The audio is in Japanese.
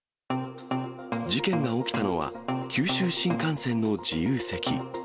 事件が起きたのは、九州新幹線の自由席。